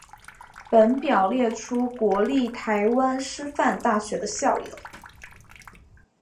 本表列出国立台湾师范大学的校友。